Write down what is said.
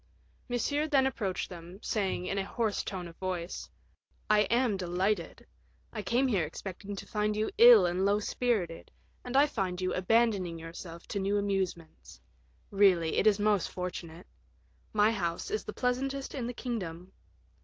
Monsieur then approached them, saying, in a hoarse tone of voice, "I am delighted; I came here expecting to find you ill and low spirited, and I find you abandoning yourself to new amusements; really, it is most fortunate. My house is the pleasantest in the kingdom."